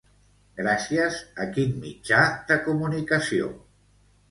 Gràcies a quin mitjà de comunicació?